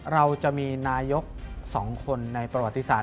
เราจะมีนายก๒คนในประวัติศาส